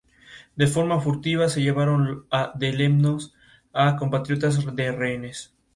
La mayoría de estos idiomas está emparentada, en distintos grados, con la lengua hausa.